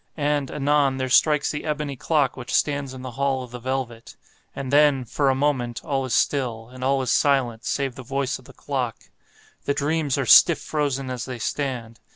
And, anon, there strikes the ebony clock which stands in the hall of the velvet. And then, for a moment, all is still, and all is silent save the voice of the clock. The dreams are stiff frozen as they stand.